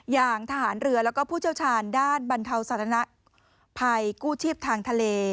อย่างทหารเรือแล้วก็ผู้เชี่ยวชาญด้านบรรเทาสถานภัยกู้ชีพทางทะเล